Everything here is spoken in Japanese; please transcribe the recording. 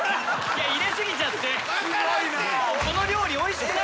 入れ過ぎちゃって。